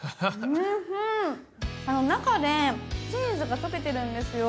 中でチーズが溶けてるんですよ。